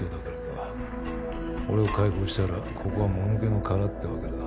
俺を解放したらここはもぬけの殻ってわけだ。